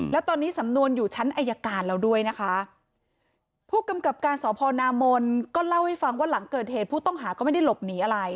แล้วตอนนี้สำนวนอยู่ชั้นอายการแล้วด้วยนะคะผู้กำกับการสพนามนก็เล่าให้ฟังว่าหลังเกิดเหตุผู้ต้องหาก็ไม่ได้หลบหนีอะไร